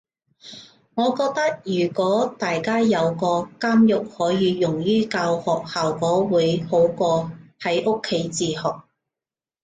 我覺得如果大家有個監獄可以用於教學，效果會好過喺屋企自學